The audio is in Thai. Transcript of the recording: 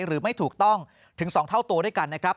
หรือไม่ถูกต้องถึง๒เท่าตัวด้วยกันนะครับ